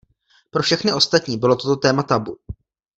Pro všechny ostatní bylo toto téma tabu.